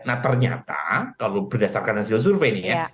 nah ternyata kalau berdasarkan hasil survei nih ya